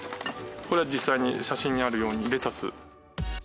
これは実際に写真にあるようにレタス。